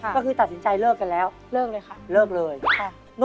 ก็คือตัดสินใจเลิกกันแล้วเลิกเลยค่ะเลิกเลยค่ะ